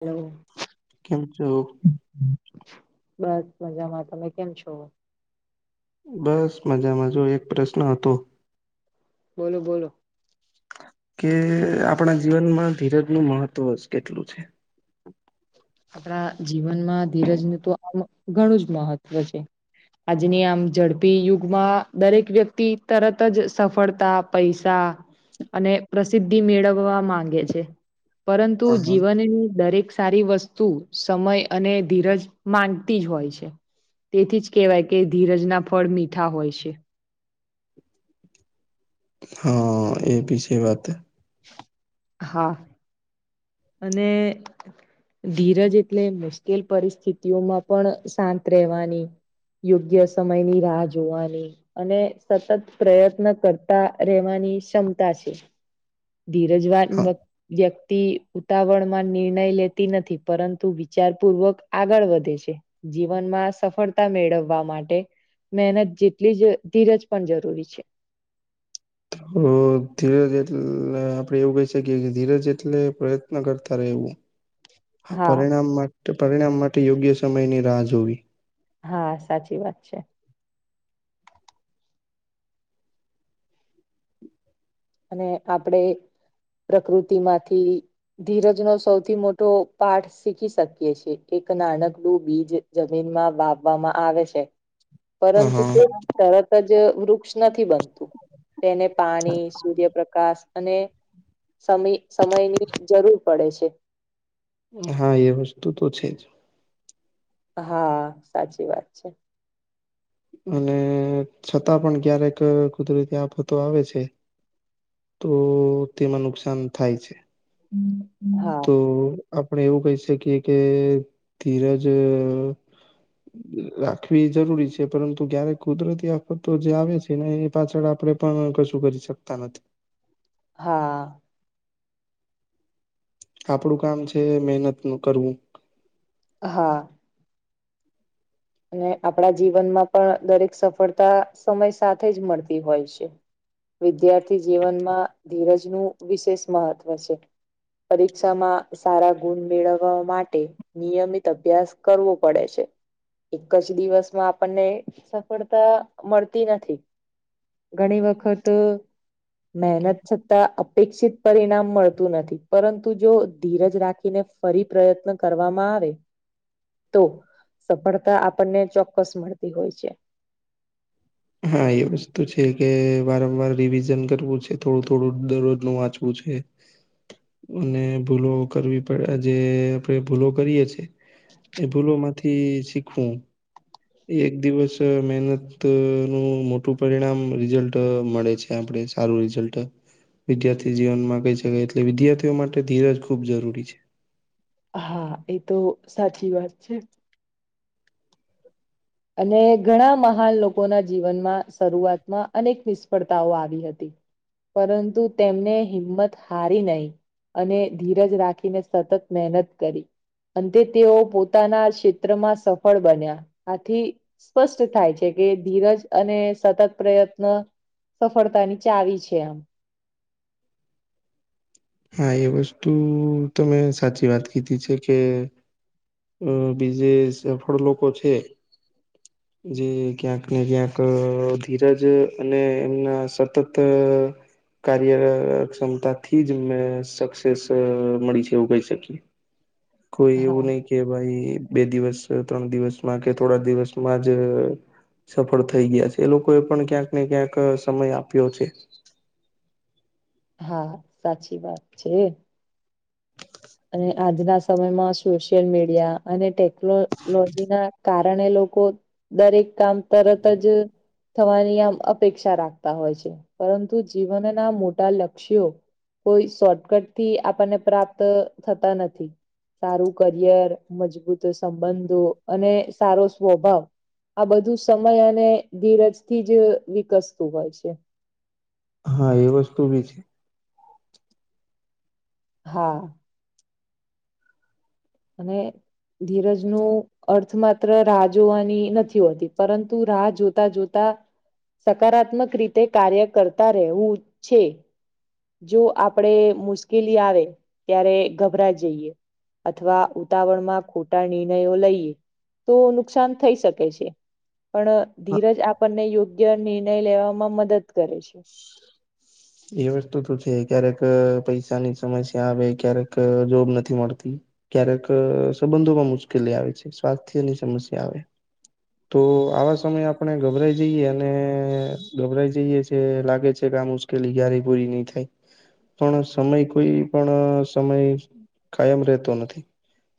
હમ કેમ છુ. બસ મજામાં તમે કેમ છો. બસ મજામાંજો એક પ્રશ્ન હતો બોલો બોલો કે આપણા જીવનમાં ધીરજ નું મહત્વ કેટલું છે. આપણા જીવનમાં ધીરજ ન તો આમ ઘણું જ મહત્વ છે. આજની આમ ઝડપી યુગમાં દરેક વ્યક્તિ તરત જ સફળતા પૈસા અને પ્રસિદ્ધિ મેળવવા માંગે છે. પરંતુ જીવનની દરેક સારી વસ્તુ તું સમય અને ધીરજ માંનતી જ હોય છે. તેથી જ કહેવાય કે ધીરજના ફળ મીઠા હોય છે. હા એ ભી છે વાત હા અને ધીરજ એટલે મુશ્કેલ પરિસ્થિતિઓમાં પણ શાંત રહેવાની યોગ્ય સમયની રાહ જોવાની અને સતત પ્રયત્ન કરતા રહેવાની ક્ષમતા છે. ધીરજવાન હા વ્યક્તિ ઉતાવળ માં નિર્ણય લેતી નથી પરંતુ વિચાર પૂર્વક આગળ વધે છે. જીવનમાં સફળતા મેળવવા માટે મહેનત જેટલી જ ધીરજ પણ જરૂરી છે. હ ધીરજ એટલે આપડે એવું કહી શકીએ ધીરજ એટલે પ્રયત્ન કરતા રહેવુ હા પરિણામ માટે પરિણામ માટે યોગ્ય સમયની રાહ જોવી હા સાચી વાત છે. અને આપડે પ્રકૃતિ માંથી ધીરજ નો સૌથી મોટો પાઠ શીખી શકીએ છીએ એક નાનકડું બીજ જમીન માં બાપવામાં આવે છે. હ પરંતુ હા તે તરત જ વૃક્ષ નથી બનતું તેને પાણી સૂર્ય પ્રકાશ અને સમ સમયની જરૂર પડે છે. હા એ વસ્તુ તો છે, જ હા સાચી વાત છે. અને છતાં પણ ક્યારેક કુદરતી આફતો આવે છે. તો તેમાં નુકસાન થાય છે. હા તો આપણે એવું કહી શકીએ કે ધીરજ રાખવી જરૂરી છે પરંતુ ક્યારે કુદરતી આફતો જે આવે છે. કે એ પાછળ આપડે પણ કશું કરી શકતા નથી. હા આપડું કામ છે, મહેનત ન કરવું હા અને આપણા જીવનમાં પણ દરેક સફળતા સમય સાથે જ મળતી હોય છે. વિદ્યાર્થી જીવનમાં ધીરજનું વિશેષ મહત્ત્વ છે. પરીક્ષામાં સારા ગુણ મેળવવા માટે નિયમિત અભ્યાસ કરવો પડે છે. એક જ દિવસમાં આપણને સફળતા મળતી નથી. ઘણી વખત મહેનત છતાં અપેક્ષિત પરિણામ મળતું નથી પરંતુ જો ધીરજ રાખીને ફરી પ્રયત્ન કરવામાં આવે તો સફળ તા આપણને ચોક્કસ મળતી હોય છે. હા એ વસ્તુ છે કે, વારંવાર રિવિઝન કરવું છે થોડું થોડું દરરોજ નું વાંચવું છે. [inaudible] અને ભૂલો કરવી પડે જે આપડે ભૂલો કરીએ છે, એ ભૂલો માંથી શીખવું. એક દિવસ મહેનત નું મોટું પરિણામ રિઝલ્ટ મળે છે. ત્યાં આપણે સારું રિઝલ્ટ વિદ્યાર્થી જીવનમાં કઈ શકાય એટલે વિદ્યાર્થીઓ માટે ધીરજ ખુબ જરૂરી છે. હા એ તો સાચી વાત છે. અને ઘણા મહાન લોકોના જીવનમાં શરૂઆતમાં અનેક નિષ્ફળતાઓ આવી હતી. પરંતુ તેમને હિંમત હારી નહી. અને ધીરજ રાખીને સતત મહેનત કરી અંતે તેઓ પોતાના ક્ષેત્રમાં સફળ બન્યા આથી સ્પષ્ટ થાય છે કે, ધીરજ અને સતત પ્રયત્ન સફળતાની ચાવી છે એમ હા એ વસ્તુ તમેં સાચી વાત કીધી છે કે અ બીજે સફળ લોકો છે. [inaudible] જે ક્યાંક ને ક્યાંક ધીરજ અને એમના સતત કાર્યક્ષમતા થી તેમને સકસેસ મળી છે, એવું કહી શકીએ, કોઈ હા એવું નહી કે કે ભાઈ બે દિવસ, ત્રણ દિવસમાં કે થોડા દિવસમાં જ સફળ થઈ ગયા છે, એ લોકો એ પણ ક્યાંક ને ક્યાંક સમય આપ્યો છે. હા, સાચી વાત છે. અને આજના સમયમાં સોશિયલ મીડિયા અને ટેકનો લોજી ના કારણે લોકો દરેક કામ તરતજ થવાની આમ અપેક્ષા રાખતા હોય છે, પરંતુ જીવનના મોટા લક્ષ્યો કોઈ શોર્ટકટ થી આપણને પ્રાપ્ત થતા નથી. સારું કરિયર, મજબૂત સંબંધો, અને સારો સ્વભાવ. આ બધું સમય અને ધીરજથી જ વિકસતું હોય છે. હા એ વસ્તુબી છે. હા અને ધીરજનું અર્થ માત્ર રાહ જોવાની નથી હોતી, પરંતુ રાહ જોતા જોતા સકારાત્મક રીતે કાર્ય કરતા રહેવું છે. જો આપડે મુશ્કેલી આવે ત્યારે ગભરા જઈએ અથવા ઉતાવળમાં ખોટા નિર્ણયો લઈએ, તો નુકસાન થઈ શકે છે. પણ હા ધીરજ આપણને યોગ્ય નિર્ણય લેવામાં મદદ કરે છે. એ વસ્તુ તો છે, ક્યારેક પૈસાની સમસ્યા આવે, ક્યારેક જોબ નથી મળતી. ક્યારેક સંબંધોમાં મુશ્કેલી આવે છે, સ્વાસ્થ્યની સમસ્યા આવે. તો આવા સમયે આપણે ગભરાઈ જઈએ, અને ગભરાઈ જઈએ છે, લાગે છે કે આ મ ટલી ક્યારે પૂરી નઈ થાય. પણ સમય કોઈ પણ સમય કાયમ રહેતો નથી,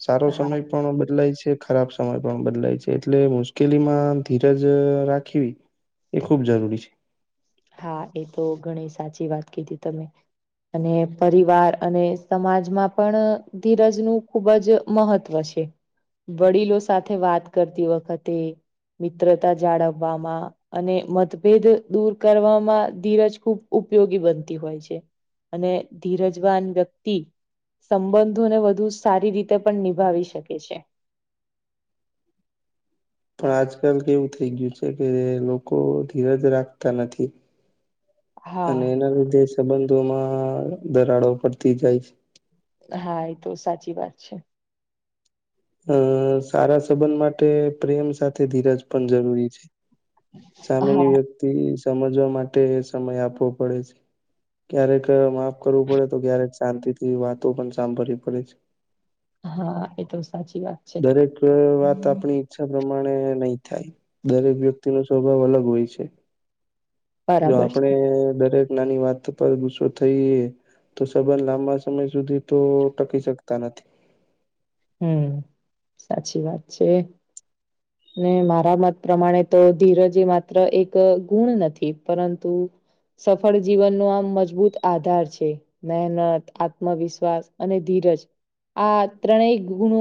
સારો હા સમય પણ બદલાય છે, ખરાબ સમય પણ બદલાય છે, એટલે મુશ્કેલીમાં ધીરજ રાખવી એ ખૂબ જરૂરી છે. હા એ તો ઘણી સાચી વાત કીધી તમે. અને પરિવાર અને સમાજમાં પણ ધીરજ નું ખુબ જ મહત્વ છે. વડીલો સાથે વાત કરતી વખતે મિત્રતા જાળવવામાં, અને મતભેદ દૂર કરવામાં ધીરજ ખૂબ ઉપયોગી બનતી હોય છે. અને ધીરજવાન વ્યક્તિ સંબંધોને વધુ સારી રીતે પણ નિભાવી શકે છે. પણ આજકાલ કેવું થઈ ગયું છે, કે લોકો ધીરજ રાખતા નથી. અને હા એના લીધે સંબંધોમાં ધરાડો પડતી જાય છે. હા એ તો સાચી વાત છે. હમ્મ સારા સંબંધ માટે પ્રેમ સાથે ધીરજ પણ જરૂરી છે. સામેની હા વ્યક્તિ સમજવા માટે સમય આપવો પડે છે. ક્યારેક માફ કરવું પડે, તો ક્યારેક શાંતિ થી વાતો પણ સાંભળવી પડે છે. હા એ તો સાચી વાત છે. દરેક વાત આપણી ઇચછા પ્રમાણે નહી થાય, દરેક વ્યક્તિ નો સ્વભાવ અલગ હોય છે. જો બરાબર આપણે દરેક નાની વાત, તપાસ ગુસ્સો થઈએ તો સંબંધ લાંબા સમય સુધી તો ટકી શકતા નથી, હમ સાચી વાત છે, ને મારા મત પ્રમાણે તો ધીરજી માત્ર એક ગુણ નથી પરંતુ, સફળ જીવનનો આમ મજબૂત આધાર છે. મહેનત, આત્મવિશ્વાસ, અને ધીરજ આ ત્રણે ગુણ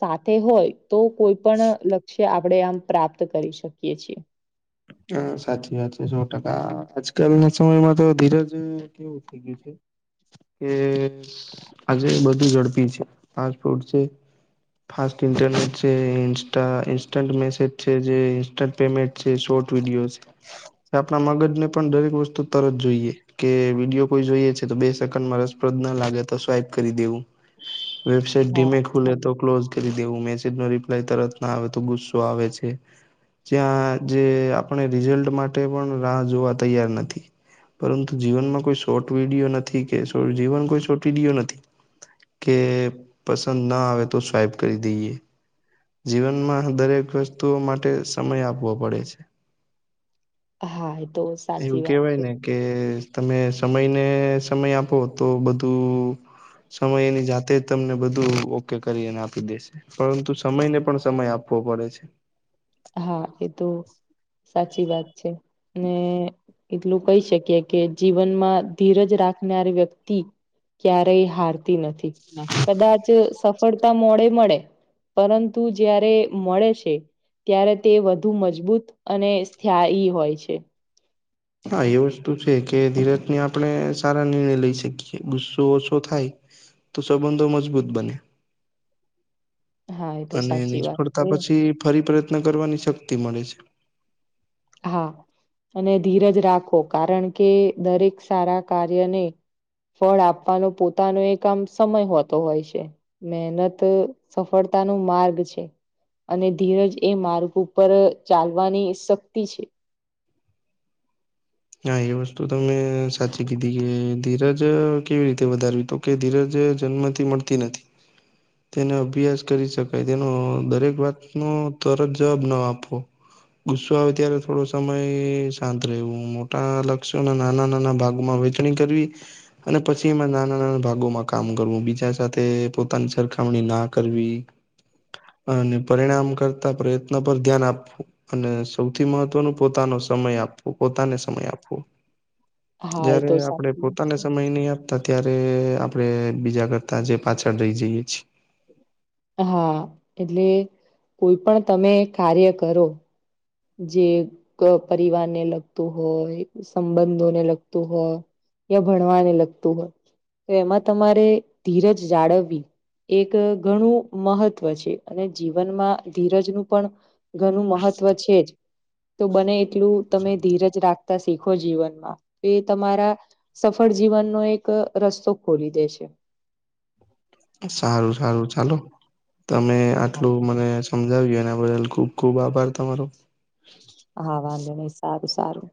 સાથે હોય તો કોઈ પણ લક્ષ્ય આપ આપણે આમ પ્રાપ્ત કરી શકીએ છીએ. હા સાચી વાત છે, સો ટકા આજકાલ ના સમયમાં તો ધીરજ કે [unintelligible] થઈ ગયું છે કે આજે બધું ઝડપી છે પાંચ ફૂટ છે. ફાસ્ટ ઇન્ટરનેટ છે, ઇન્સ્ટા ઇન્સ્ટા મેસેજ છે, જે ઇન્સ્ટન્ટ પેમેન્ટ છે, શોર્ટ વિડિઓજ, આપણા મગજ ને પણ દરેક વસ્તુ તરત જોઈએ, કે વિડીયો કોઈ જોઈએ છે તો બે સેકન્ડમાં રસપ્રદ ના લાગે તો સ્વાઈપ કરી દેવું. વેબસઇટ હા ધીમે ખુલે તો ક્લોઝ કરી દેવું, મેસેજ નો રિપ્લાય તરત ના આવે તો ગુસ્સો આવે છે. જ્યાં જે આપણે રિઝલ્ટ માટે પણ રાહ જોવા તૈયાર નથી, પરંતુ જીવનમાં કોઈ શોર્ટ વિડીયો નથી કે જીવન કોઈ શોર્ટ વિડીયો નથી. કે પસંદ ના આવે તો સ્વાઈપ કરી દઈએ, જીવનમાં દરેક વસ્તુઓ માટે સમય આપવો પડે છે. હા એ તો સાચી એવું વાત કેવાય છે ને, કે તમે સમયને સમય આપો તો બધું સમય એની જાતે જ તમને બધું ઓકે કરીને આપી દેશે, પરંતુ સમયને પણ સમય આપવો પડે છે. હા, એ તો સાચી વાત છે ને એટલું કહી શકીએ, કે જીવનમાં ધીરજ રાખનાર વ્યક્તિ ક્યારેય હાર તી નથી કદાચ, પડતા મોડે મળે પરંતુ જયારે મળે છે, ત્યારે તે વધુ મજબૂત અને સ્થ્યાયી હોય છે. હા, એ વસ્તુ છે કે ધીરજને આપણે સારા નિર્ણય લઈ શકીય, ગુસ્સો ઓછો થાય તો સંબંધો મજબૂત બને, હા એ તો અને સાચી વાત છે નિષ્ફળતા પછી ફરી પ્રયત્ન કરવાની શક્તિ મળે છે. હા, અને ધીરજ રાખો કારણ કે દરેક સારા કાર્યને ફળ આપવાનો પોતાનો એક આમ સમય હોતો હોય છે, મહેનત સફળતા ન માર્ગ છે. અને ધીરજ એ માર્ગ ઉપર ચાલવાની શક્તિ છે, હા, એ વસ્તુ તો મેં સાચી કીધી કે ધીરજ કેવી રીતે વધાર તો. કે ધીરજ જન્મથી મળતી નથી. તેને અભ્યાસ કરી શકાય તેનો દરેક વાતનો તરત જવાબ ના આપો. ગુસ્સો આવે ત્યારે થોડો સમય શાંત રહેવુ આ લક્ષે ઓના નાના નાના ભાગમાં વેચણી કરવી અને પછી એમાં નાના નાના ભાગોમાં કામ કરવું બીજા સાથે પોતાની સરખામણી ના કરવી [inaudible] અને પરિણામ કરતા પ્રયત્ન પર ધ્યાન આપવું, અને સૌથી મહત્વનો પોતાનો સમય આપવો પોતાને સમય આપવો. હા એ જયારે તો આપડે સાચી પોતાને, સમય નહી આપતા ત્યારે આપડે બીજા કરતા જે પાછળ રહી જઈએે છીએ, હા, એટલે કોઈ પણ તમે કાર્ય કરો, જે પરિવાર ને લગતું હોય સંબંધોને લગતું હોય, યા ભણવાને લગતું હોય તો એમાં તમારે ધીરજ જાળવવી, એક ઘણું મહત્વ છે અને જીવનમાં ધીરજનું પણ ઘણું મહત્વ છે જ તો બને એટલું તમે ધીરજ રાખતા શીખો જીવનમાં એ તમારા સફળ જીવનનો એક રસ્તો ખોલી દે છે સારું સારું ચાલો તમે આટલું મને સમજાવીજયો એના બદલ ખુબ ખુબ આભાર તમારો હા વાંધો નહી સારું સારું